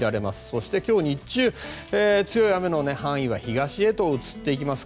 そして今日、日中強い雨の範囲が東へと移っていきます。